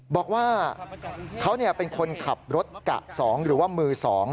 บอกว่าเขาเป็นคนขับรถกะ๒หรือว่ามือ๒